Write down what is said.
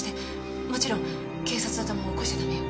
もちろん警察沙汰も起こしちゃダメよ。